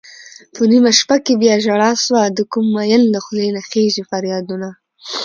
په نېمه شپه کې بياژړا سوه دکوم مين له خولې نه خيژي فريادونه